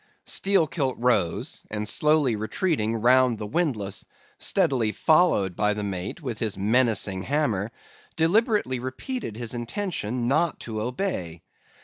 "Steelkilt rose, and slowly retreating round the windlass, steadily followed by the mate with his menacing hammer, deliberately repeated his intention not to obey.